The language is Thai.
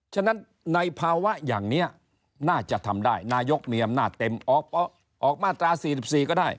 ฉะนั้นในภาวะอย่างนี้น่าจะทำได้นายกมีอำนาจเต็มออกมาตรา๔๔ก็ได้